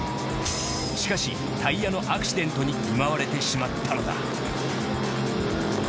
しかしタイヤのアクシデントに見舞われてしまったのだ。